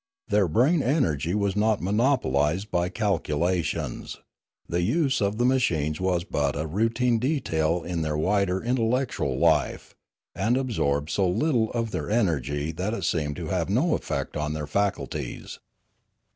Their brain energy was not monopolised by calculations; the use of the machines was but a routine detail in their wider intellectual life, and ab sorbed so little of their energy that it seemed to have no effect on their faculties.